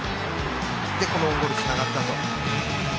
オウンゴールにつながったと。